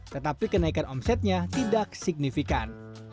tetapi kenaikan omsetnya tidak signifikan